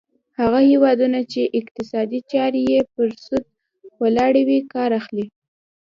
هغه هیوادونه چې اقتصادي چارې یې پر سود ولاړې وي کار اخلي.